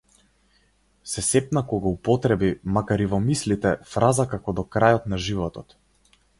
Се сепна кога употреби, макар и во мислите, фраза како до крајот на животот.